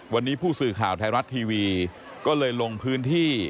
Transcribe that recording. วันนี้ผู้สื่อข่าวไทยรัฐทีวีก็เลยลงพื้นที่